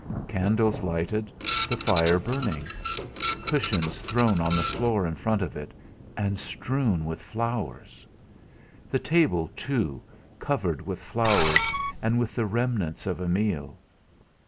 Candles lighted, the fire burning; cushions thrown on the floor in front of it and strewn with flowers! The table, too, covered with flowers and with the remnants of a meal.